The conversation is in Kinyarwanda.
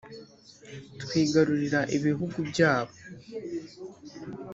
twigarurira ibihugu byabo,